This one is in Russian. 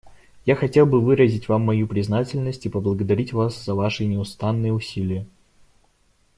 Я хотел бы выразить Вам мою признательность и поблагодарить Вас за Ваши неустанные усилия.